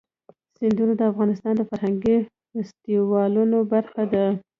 سیندونه د افغانستان د فرهنګي فستیوالونو برخه ده.